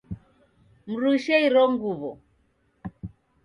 Mrushe iro nguw'o